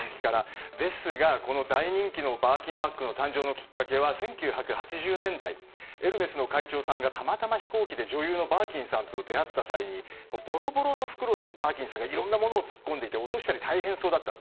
ですが、この大人気のバーキンバッグ誕生のきっかけは１９８０年代エルメスの会長さんがたまたま飛行機で女優のバーキンさんと出会った際にぼろぼろの袋に、バーキンさんがいろいろなものを突っ込んでいて落としたり大変そうだった。